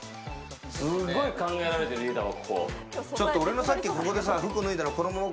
すごい考えられてる家だわ。